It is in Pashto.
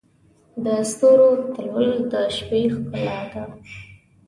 د ستورو تلؤل د شپې ښکلا ده.